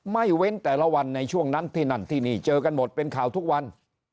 เว้นแต่ละวันในช่วงนั้นที่นั่นที่นี่เจอกันหมดเป็นข่าวทุกวัน